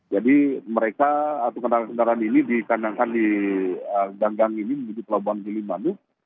jadi mereka atau kendaraan kendaraan ini dikandangkan di gang gang ini di pelabuhan gili manuk